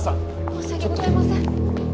申し訳ございません。